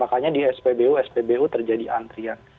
makanya di spbu spbu terjadi antrian